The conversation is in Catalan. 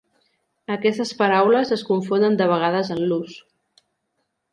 Aquestes paraules es confonen de vegades en l'ús.